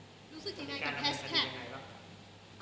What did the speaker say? รู้สึกยังไงกับแฮชแท็ก